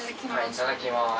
いただきまーす。